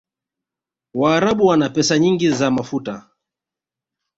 waarabu wana pesa nyingi za mafuta